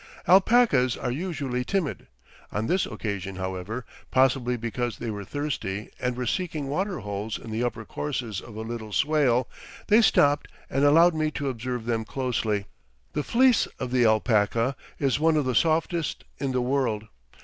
Alpacas are usually timid. On this occasion, however, possibly because they were thirsty and were seeking water holes in the upper courses of a little swale, they stopped and allowed me to observe them closely. The fleece of the alpaca is one of the softest in the world.